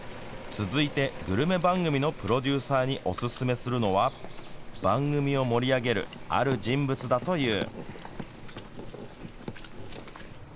続いてグルメ番組のプロデューサーにおすすめするのは番組を盛り上げるある人物だという。